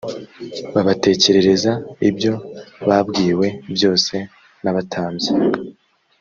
babatekerereza ibyo babwiwe byose n’abatambyi